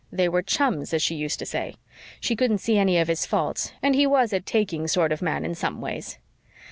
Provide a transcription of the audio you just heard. They were 'chums,' as she used to say. She couldn't see any of his faults and he WAS a taking sort of man in some ways.